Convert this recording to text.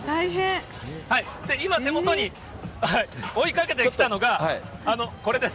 今、手元に追いかけてきたのがこれです。